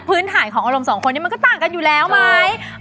ถ่ายของอารมณ์สองคนนี้มันก็ต่างกันอยู่แล้วไหม